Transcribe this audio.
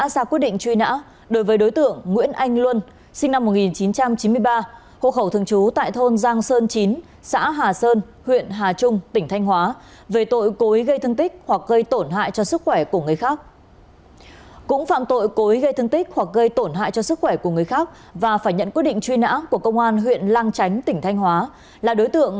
xin chào và hẹn gặp lại